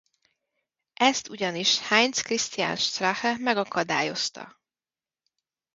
Ezt ugyanis Heinz-Christian Strache megakadályozta.